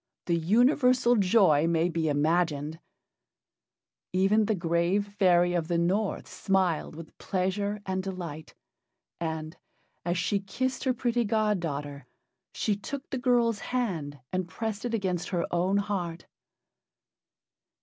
The universal joy may be imagined. Even the grave fairy of the North smiled with pleasure and delight, and, as she kissed her pretty god daughter, she took the girl's hand and pressed it against her own heart.